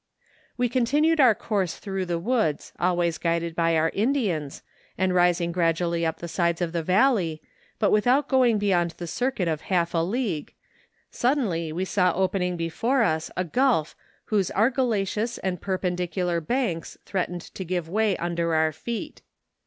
We continued our course through the woods, always guided by our Indians, and rising gradually up the sides of the valley, but without going beyond the circuit of half a league, suddenly we saw open¬ ing before us a gulf whose argillaceous and perpen 276 MOUNTAIN ADVENTURES. dicular banks threatened to give way under our feet.